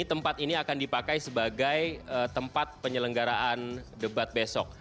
tempat ini akan dipakai sebagai tempat penyelenggaraan debat besok